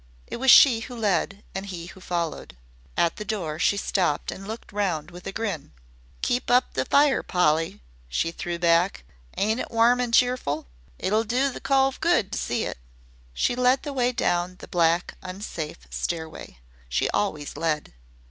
It was she who led, and he who followed. At the door she stopped and looked round with a grin. "Keep up the fire, Polly," she threw back. "Ain't it warm and cheerful? It'll do the cove good to see it." She led the way down the black, unsafe stairway. She always led.